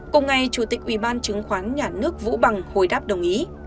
cùng ngày chủ tịch ủy ban chứng khoán nhà nước vũ bằng hồi đáp đồng ý